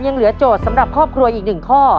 ยังเหลือโจทย์สำหรับครอบครัวอีกหนึ่งข้อ